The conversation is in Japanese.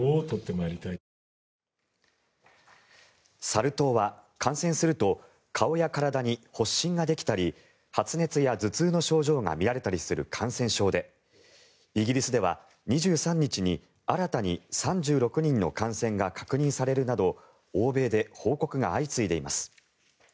サル痘は感染すると顔や体に発疹ができたり発熱や頭痛の症状が見られたりする感染症でイギリスでは２３日に新たに３６人の感染が確認されるなど欧米で報告が相次いでいます。